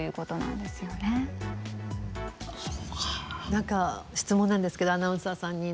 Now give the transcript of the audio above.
何か質問なんですけどアナウンサーさんに。